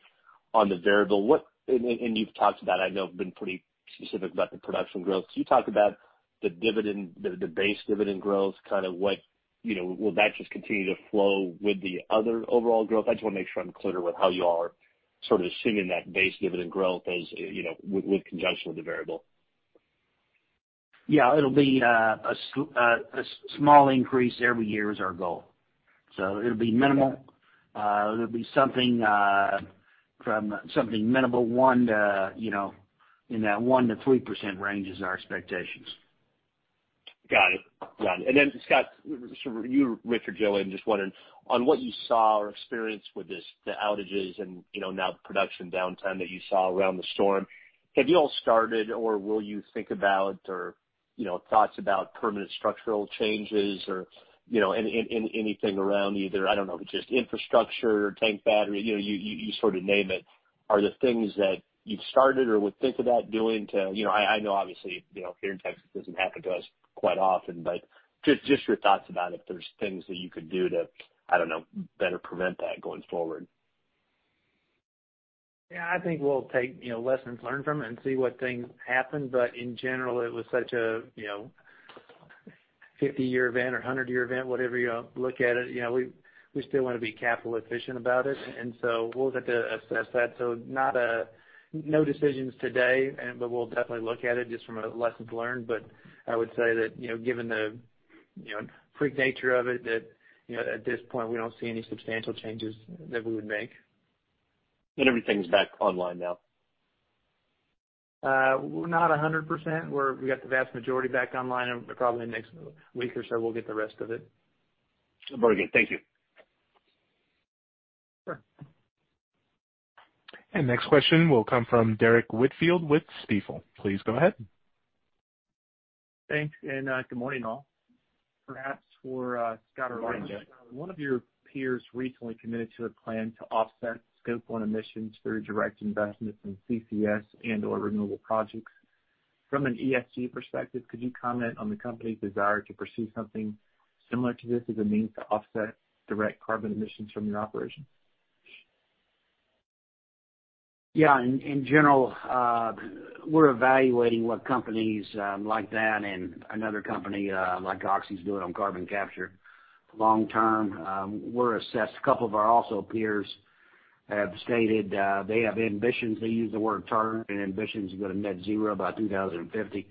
on the variable? You've talked about, I know, been pretty specific about the production growth. Can you talk about the base dividend growth, will that just continue to flow with the other overall growth? I just want to make sure I'm clear with how you all are sort of assuming that base dividend growth with conjunction with the variable. Yeah, it'll be a small increase every year is our goal. It'll be minimal. It'll be something minimal, in that 1%-3% range is our expectations. Got it. Scott, you, Rich, or Joey, I'm just wondering on what you saw or experienced with the outages and now production downtime that you saw around the storm. Have you all started or will you think about or thoughts about permanent structural changes or anything around either, I don't know, just infrastructure, tank battery, you sort of name it? Are there things that you've started or would think about doing? I know obviously, here in Texas, it doesn't happen to us quite often. Just your thoughts about if there's things that you could do to, I don't know, better prevent that going forward? Yeah. I think we'll take lessons learned from it and see what things happen. In general, it was such a 50-year event or 100-year event, whatever you look at it, we still want to be capital efficient about it. We'll have to assess that. No decisions today, but we'll definitely look at it just from a lessons learned. I would say that, given the freak nature of it, that at this point, we don't see any substantial changes that we would make. Everything's back online now? Not 100%. We got the vast majority back online. Probably in the next week or so, we'll get the rest of it. Very good. Thank you. Sure. Next question will come from Derrick Whitfield with Stifel. Please go ahead. Thanks. Good morning, all. Perhaps for Scott or Joey. One of your peers recently committed to a plan to offset Scope 1 emissions through direct investments in CCS and/or renewable projects. From an ESG perspective, could you comment on the company's desire to pursue something similar to this as a means to offset direct carbon emissions from your operations? Yeah. In general, we're evaluating what companies like that and another company like OXIS doing on carbon capture long term. We're assessed. A couple of our also peers have stated they have ambitions, they use the word target and ambitions to go to net zero by 2050.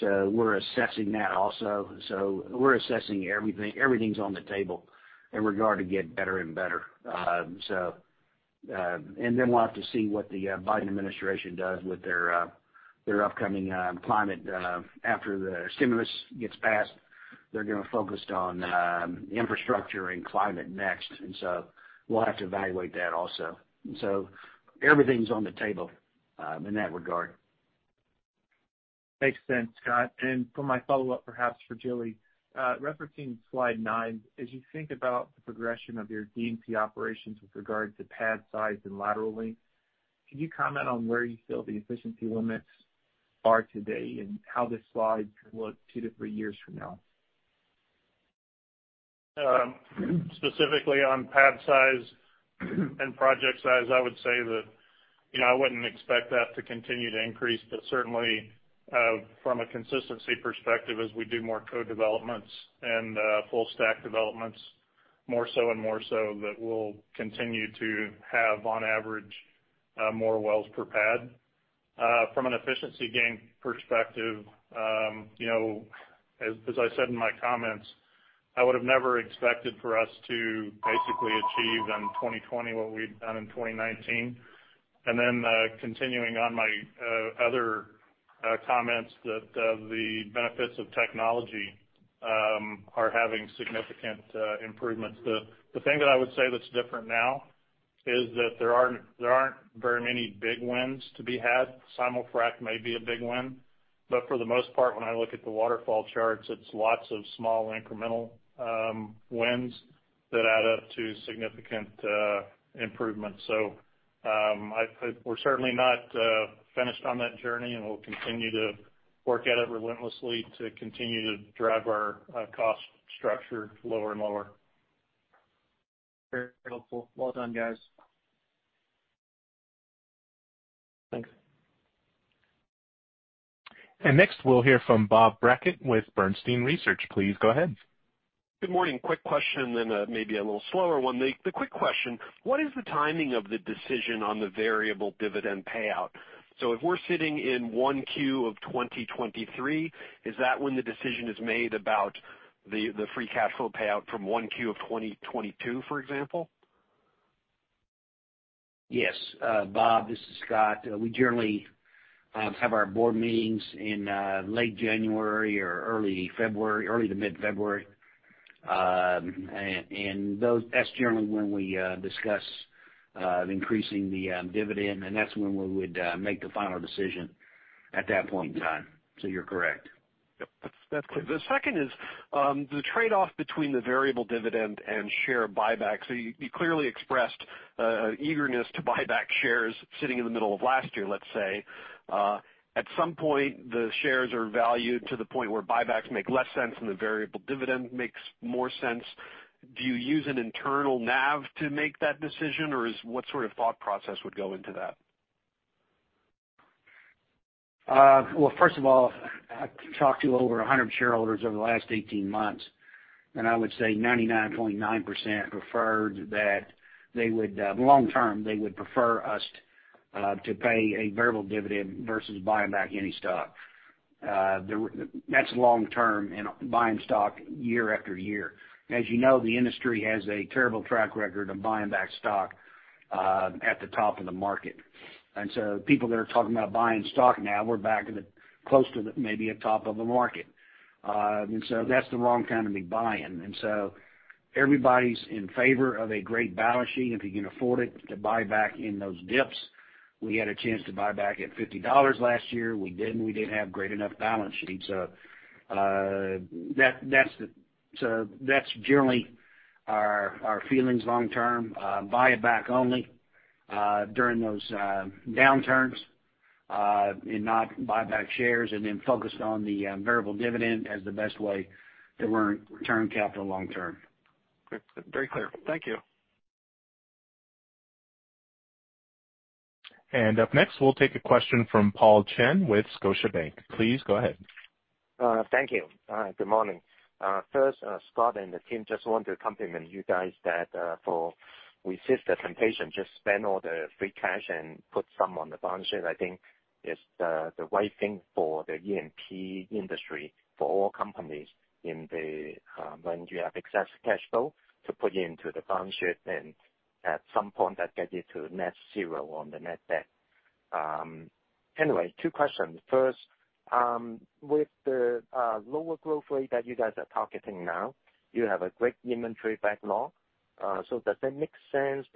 We're assessing that also. We're assessing everything. Everything's on the table in regard to get better and better. Then we'll have to see what the Biden administration does with their upcoming climate. After the stimulus gets passed, they're going to focus on infrastructure and climate next. We'll have to evaluate that also. Everything's on the table in that regard. Makes sense, Scott. For my follow-up, perhaps for Joey, referencing slide nine, as you think about the progression of your D&C operations with regard to pad size and lateral length, can you comment on where you feel the efficiency limits are today and how this slide could look two to three years from now? Specifically on pad size and project size, I would say that I wouldn't expect that to continue to increase. Certainly, from a consistency perspective, as we do more co-developments and full stack developments, more so and more so, that we'll continue to have, on average, more wells per pad. From an efficiency gain perspective, as I said in my comments, I would've never expected for us to basically achieve in 2020 what we'd done in 2019. Continuing on my other comments that the benefits of technology are having significant improvements. The thing that I would say that's different now is that there aren't very many big wins to be had. simul-frac may be a big win, for the most part, when I look at the waterfall charts, it's lots of small incremental wins that add up to significant improvements. We're certainly not finished on that journey, and we'll continue to work at it relentlessly to continue to drive our cost structure lower and lower. Very helpful. Well done, guys. Thanks. Next, we'll hear from Bob Brackett with Bernstein Research. Please go ahead. Good morning. Quick question, maybe a little slower one. The quick question, what is the timing of the decision on the variable dividend payout? If we're sitting in 1Q of 2023, is that when the decision is made about the free cash flow payout from 1Q of 2022, for example? Yes. Bob, this is Scott. We generally have our board meetings in late January or early to mid-February. That's generally when we discuss increasing the dividend, and that's when we would make the final decision at that point in time. You're correct. Yep. That's clear. The second is, the trade-off between the variable dividend and share buyback. You clearly expressed eagerness to buy back shares sitting in the middle of last year, let's say. At some point, the shares are valued to the point where buybacks make less sense and the variable dividend makes more sense. Do you use an internal NAV to make that decision, or what sort of thought process would go into that? First of all, I've talked to over 100 shareholders over the last 18 months, and I would say 99.9% preferred that long term, they would prefer us to pay a variable dividend versus buying back any stock. That's long term and buying stock year after year. As you know, the industry has a terrible track record of buying back stock at the top of the market. People that are talking about buying stock now, we're back close to maybe a top of the market. That's the wrong time to be buying. Everybody's in favor of a great balance sheet, if you can afford it, to buy back in those dips. We had a chance to buy back at $50 last year. We didn't. We didn't have great enough balance sheets. That's generally our feelings long term. Buy it back only during those downturns, and not buy back shares, and then focus on the variable dividend as the best way to return capital long term. Great. Very clear. Thank you. Up next, we'll take a question from Paul Cheng with Scotiabank. Please go ahead. Thank you. Good morning. First, Scott and the team, just want to compliment you guys that for resist the temptation, just spend all the free cash and put some on the balance sheet, I think is the right thing for the E&P industry, for all companies when you have excess cash flow to put into the balance sheet, then at some point that gets you to net zero on the net debt. Anyway, two questions. First, with the lower growth rate that you guys are targeting now, you have a great inventory backlog. Does it make sense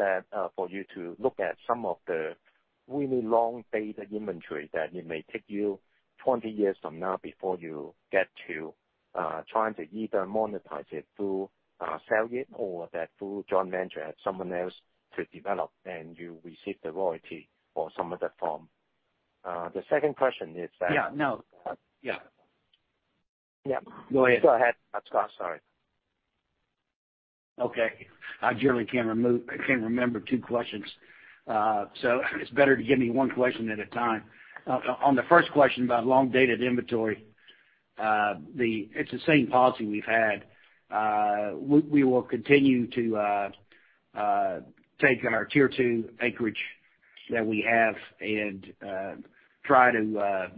for you to look at some of the really long-dated inventory that it may take you 20 years from now before you get to trying to either monetize it through sell it or that through joint venture, have someone else to develop and you receive the royalty for some of the form? The second question is. Yeah, no. Yeah. Yeah. Go ahead. Go ahead, Scott. Sorry. Okay. I generally can't remember two questions. It's better to give me one question at a time. On the first question about long-dated inventory, it's the same policy we've had. We will continue to take our tier 2 acreage that we have and try to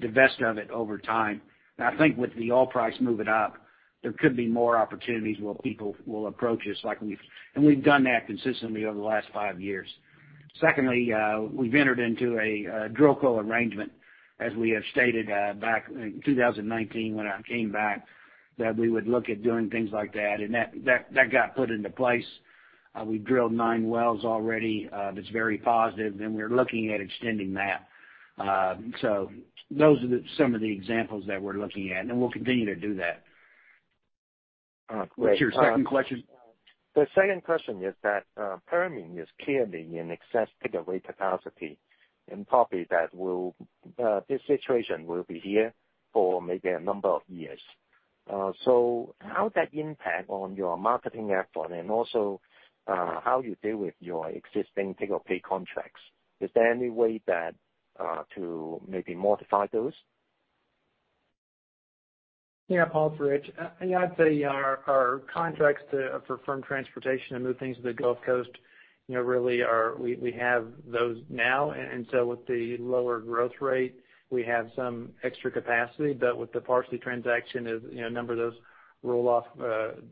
divest of it over time. I think with the oil price moving up, there could be more opportunities where people will approach us, and we've done that consistently over the last five years. Secondly, we've entered into a DrillCo arrangement, as we have stated back in 2019 when I came back, that we would look at doing things like that, and that got put into place. We've drilled nine wells already. That's very positive, and we're looking at extending that. Those are some of the examples that we're looking at, and we'll continue to do that. What's your second question? The second question is that Permian is clearly in excess takeaway capacity, and probably this situation will be here for maybe a number of years. How does that impact on your marketing effort and also how you deal with your existing take or pay contracts? Is there any way to maybe modify those? Paul. It's Rich. I'd say our contracts for firm transportation to move things to the Gulf Coast, we have those now. With the lower growth rate, we have some extra capacity, but with the Parsley transaction, a number of those roll off,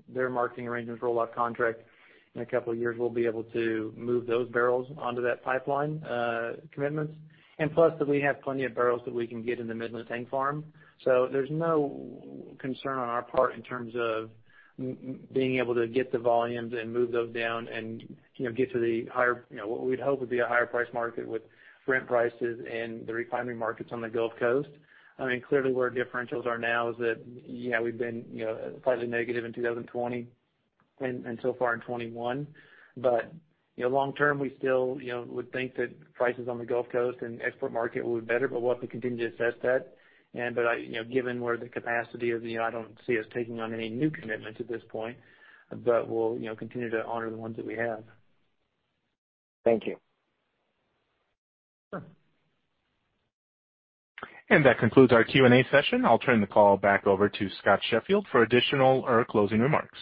their marketing arrangements roll off contract. In a couple of years, we'll be able to move those barrels onto that pipeline commitments. Plus that we have plenty of barrels that we can get in the Midland tank farm. There's no concern on our part in terms of being able to get the volumes and move those down and get to what we'd hope would be a higher price market with Brent prices and the refinery markets on the Gulf Coast. Clearly, where differentials are now is that we've been slightly negative in 2020 and so far in 2021. Long term, we still would think that prices on the Gulf Coast and export market will be better, but we'll have to continue to assess that. Given where the capacity is, I don't see us taking on any new commitments at this point. We'll continue to honor the ones that we have. Thank you. Sure. That concludes our Q&A session. I'll turn the call back over to Scott Sheffield for additional or closing remarks.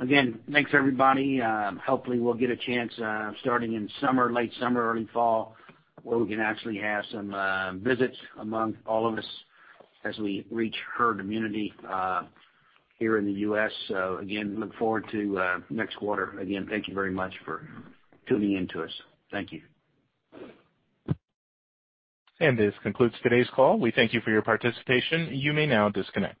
Again, thanks, everybody. Hopefully, we'll get a chance, starting in late summer, early fall, where we can actually have some visits among all of us as we reach herd immunity here in the U.S. Again, look forward to next quarter. Again, thank you very much for tuning in to us. Thank you. This concludes today's call. We thank you for your participation. You may now disconnect.